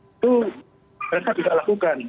itu mereka tidak peduli uang rakyatnya